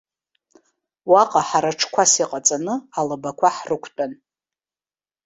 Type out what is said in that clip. Уаҟа ҳара ҽқәас иҟаҵаны алабақәа ҳрықәтәан.